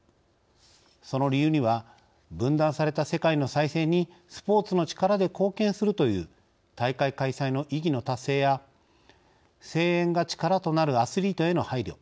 その理由には分断された世界の再生にスポーツの力で貢献するという大会開催の意義の達成や声援が力となるアスリートへの配慮